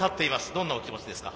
どんなお気持ちですか？